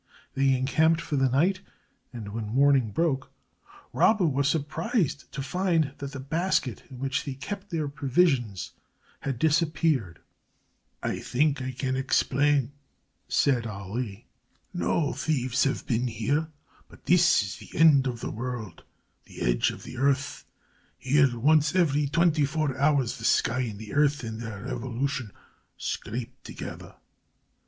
They encamped for the night, and when morning broke Rabba was surprised to find that the basket, in which they kept their provisions, had disappeared. "I think I can explain," said Ali. "No thieves have been here, but this is the end of the world, the edge of the earth. Here, once in every twenty four hours, the sky and the earth in their revolution, scrape together.